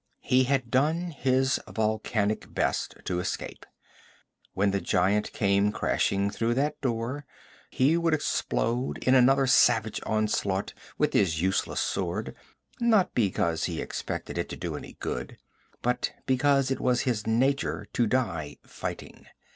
He had done his volcanic best to escape; when the giant came crashing through that door he would explode in another savage onslaught with his useless sword, not because he expected it to do any good, but because it was his nature to die fighting.